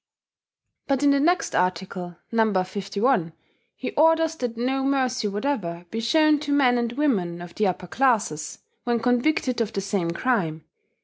But in the next article, No. 51, he orders that no mercy whatever be shown to men and women of the upper classes when convicted of the same crime.